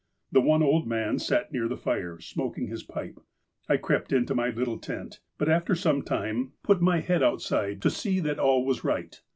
*' The one old man sat near the fire, smoking his pipe. I crept into my little tent, but, after some time, put my head 144 THE APOSTLE OF ALASKA outside, to see that all was right.